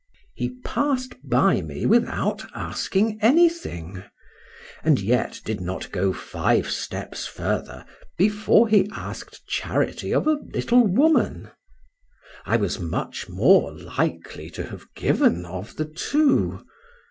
—He pass'd by me without asking anything—and yet did not go five steps further before he ask'd charity of a little woman.—I was much more likely to have given of the two.